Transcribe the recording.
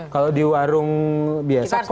kalau di warung biasa